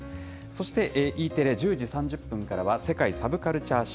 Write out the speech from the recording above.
そしてＥテレ１０時３０分からは、世界サブカルチャー史。